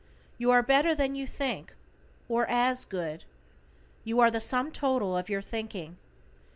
You are better than you think; or as good. You are the sum total of your thinking.